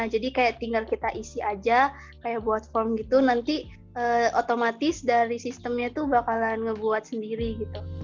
jadi kayak tinggal kita isi aja kayak buat form gitu nanti otomatis dari sistemnya itu bakalan ngebuat sendiri gitu